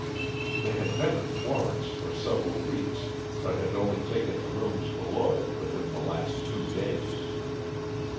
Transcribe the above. They had been in Florence for several weeks, but had only taken the rooms below within the last two days.